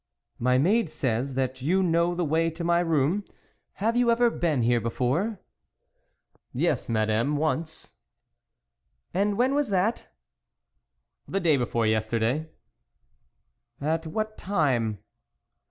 " My maid says that you know the way to my room ; have you ever been here before ?"" Yes, Madame, once." " And when was that ?"" The day before yesterday." " At what time